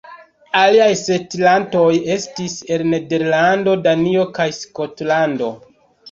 Aliaj setlantoj estis el Nederlando, Danio, kaj Skotlando.